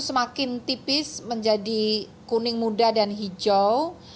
semakin tipis menjadi kuning muda dan hijau